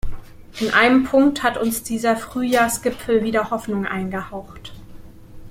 In einem Punkt hat uns dieser Frühjahrsgipfel wieder Hoffnung eingehaucht.